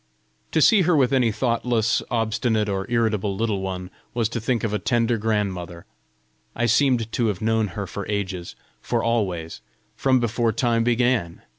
To see her with any thoughtless, obstinate, or irritable little one, was to think of a tender grandmother. I seemed to have known her for ages for always from before time began!